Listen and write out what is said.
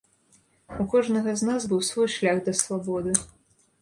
У кожнага з нас быў свой шлях да свабоды.